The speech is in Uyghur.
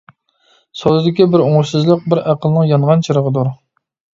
سودىدىكى بىر ئوڭۇشسىزلىق بىز ئەقىلنىڭ يانغان چىرىغىدۇر.